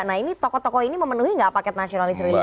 nah ini tokoh tokoh ini memenuhi nggak paket nasionalis realitas